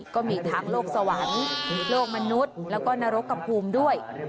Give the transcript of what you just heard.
ก็มีทั้งโลกสวรรค์โลกมนุษย์แล้วก็นรกกระภูมิด้วย